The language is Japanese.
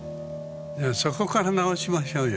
そこから直しましょうよ。